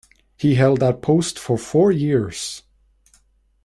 He held that post for four years.